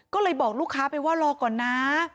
ก็เลยบอกลูกค้าไปว่ารอก่อนนะ